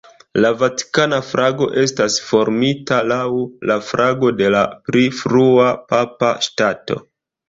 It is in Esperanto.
La vatikana flago estas formita laŭ la flago de la pli frua Papa Ŝtato.